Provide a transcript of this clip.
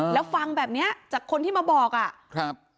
แล้วฟังแบบเนี้ยจากคนที่มาบอกอ่ะครับ